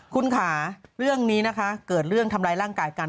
คุณค่ะเรื่องนี้นะคะเกิดเรื่องทำร้ายร่างกายกัน